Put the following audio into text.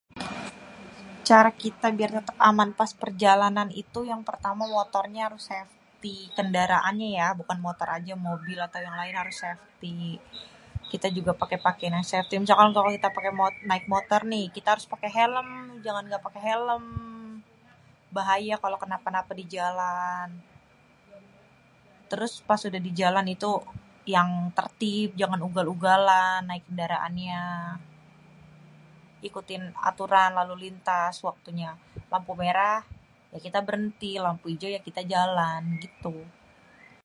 Cara kita biar tetap aman pas perjalanan itu yang pertama motornya harus 'safety' kendaraannya yak bukan cuma motor aja mobil atau yang lain harus 'safety' kita juga pake pakean yang 'safety' misalkan kita naek motor ni kita harus pake helm jangan ngga pake helm, bahaya kalo kenapa-kenapa di jalan terus kalo udah pas di jalan itu yang tertib jangan ugal-ugalan naik kendaraannya, ikutin aturan lalu-lintas waktunya lampu merah ya kita berenti lampu ijo ya kita jalan, gitu.